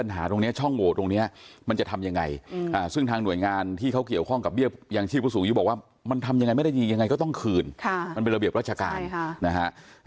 ยังไงอ่าซึ่งทางหน่วยงานที่เขาเกี่ยวข้องกับเบี้ยอย่างชีพสูงยุบอกว่ามันทำยังไงไม่ได้ยังไงก็ต้องคืนค่ะมันเป็นระเบียบรัชการใช่ค่ะนะฮะ